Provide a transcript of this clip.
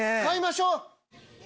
買いましょう！